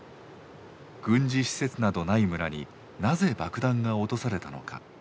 軍事施設などない村になぜ爆弾が落とされたのか。